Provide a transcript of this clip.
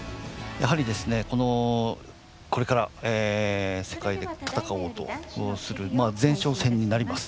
やはり、これから世界で戦おうとする前哨戦になります。